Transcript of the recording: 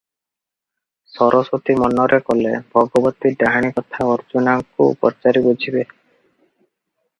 ସରସ୍ୱତୀ ମନରେ କଲେ, ଭଗବତୀ ଡାହାଣୀ କଥା ଅର୍ଜୁନାକୁ ପଚାରି ବୁଝିବେ ।